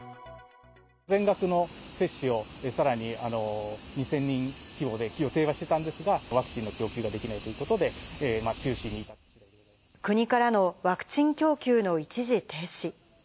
全学の接種をさらに２０００人規模で予定はしてたんですが、ワクチンの供給ができないということで、国からのワクチン供給の一時停止。